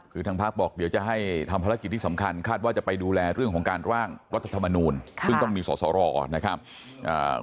คือทางพักบอกเดี๋ยวจะให้ทำภารกิจที่สำคัญคาดว่าจะไปดูแลเรื่องของการร่างรัฐธรรมนูลค่ะซึ่งต้องมีสอสอรอนะครับอ่า